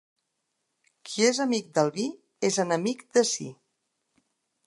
Qui és amic del vi és enemic de si.